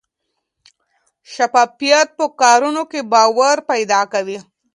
شفافیت په کارونو کې باور پیدا کوي.